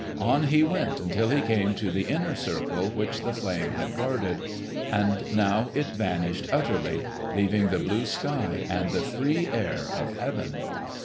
On he went until he came to the inner circle which the flame had guarded; and now it vanished utterly, leaving the blue sky and the free air of heaven.